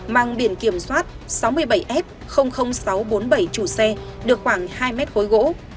mang biển kiểm soát sáu mươi bảy f sáu trăm bốn mươi bảy chủ xe được khoảng hai mét khối gỗ